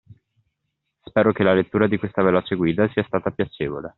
Spero che la lettura di questa veloce guida sia stata piacevole.